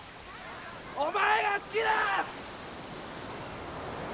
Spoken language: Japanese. お前が好きだ！